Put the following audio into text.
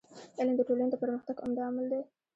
علم د ټولني د پرمختګ عمده عامل دی.